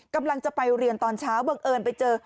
กำลังจะไปเรียนตอนเช้าบังเอิญไปเจอ